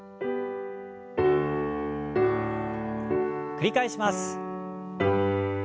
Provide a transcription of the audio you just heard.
繰り返します。